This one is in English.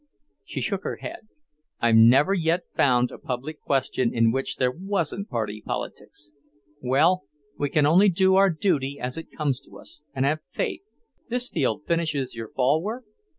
She shook her head. "I've never yet found a public question in which there wasn't party politics. Well, we can only do our duty as it comes to us, and have faith. This field finishes your fall work?"